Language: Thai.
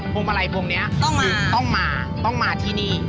วงมาลัยพวงนี้คือต้องมาต้องมาที่นี่